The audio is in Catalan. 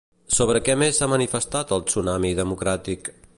Sobre què més s'ha manifestat el Tsunami Democràtic?